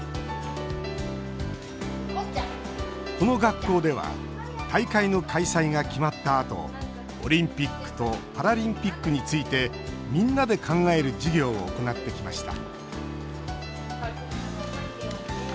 この学校では大会の開催が決まったあとオリンピックとパラリンピックについてみんなで考える授業を行ってきました